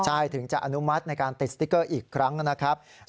ใช่ถึงจะอนุมัติในการติดสติ๊กเกอร์อีกครั้งนะครับ